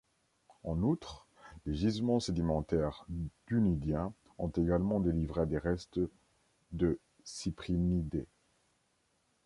En outre, les gisements sédimentaires du Needien ont également délivré des restes de Cyprinidae.